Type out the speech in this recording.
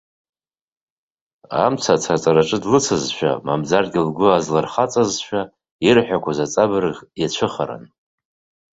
Амца ацраҵараҿы длыцызшәа мамзаргьы лгәы азлырхаҵазшәа ирҳәақәоз аҵабырг иацәыхаран.